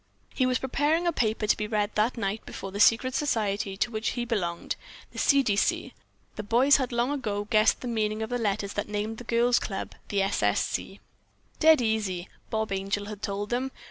He was preparing a paper to be read that night before the secret society to which he belonged: The C. D. C. The boys had long ago guessed the meaning of the letters that named the girls' club "The S. S. C." "Dead easy!" Bob Angel had told them.